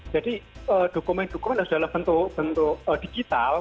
jadi dokumen dokumen sudah dalam bentuk digital